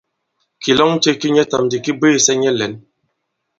Kìlɔŋ ce ki nyɛtām ndi ki bwêsɛ nyɛ lɛ̌n.